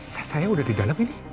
sah saya udah di dalam ini